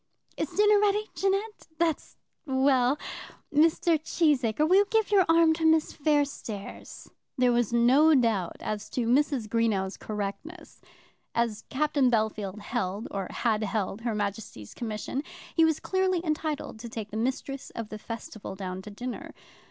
Is dinner ready, Jeannette? That's well. Mr. Cheesacre, will you give your arm to Miss Fairstairs?" There was no doubt as to Mrs. Greenow's correctness. As Captain Bellfield held, or had held, her Majesty's commission, he was clearly entitled to take the mistress of the festival down to dinner.